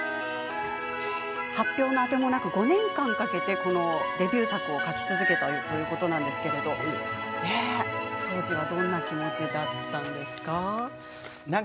発表の当てもなく５年間かけてデビュー作を描き続けたということですが当時は、どんな気持ちだったんでしょうか？